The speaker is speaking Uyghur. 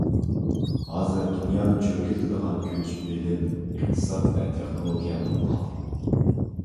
ھازىر دۇنيانى چۆرگۈلىتىدىغان كۈچ — بىلىم، ئىقتىساد ۋە تېخنولوگىيە بولۇپ قالدى.